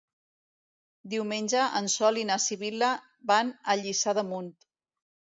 Diumenge en Sol i na Sibil·la van a Lliçà d'Amunt.